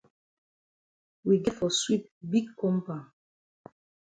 We get for sweep big compound.